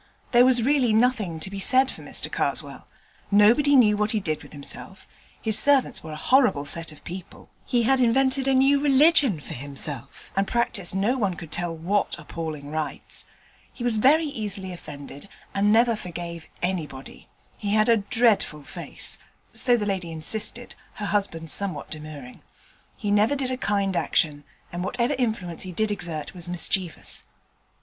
There was really nothing to be said for Mr Karswell. Nobody knew what he did with himself: his servants were a horrible set of people; he had invented a new religion for himself, and practised no one could tell what appalling rites; he was very easily offended, and never forgave anybody; he had a dreadful face (so the lady insisted, her husband somewhat demurring); he never did a kind action, and whatever influence he did exert was mischievous.